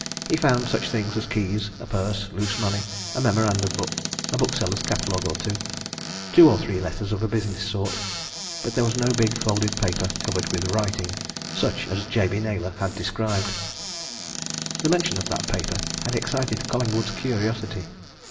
He found such things as keys, a purse, loose money, a memorandum book, a bookseller's catalogue or two, two or three letters of a business sort but there was no big folded paper, covered with writing, such as Jabey Naylor had described. The mention of that paper had excited Collingwood's curiosity.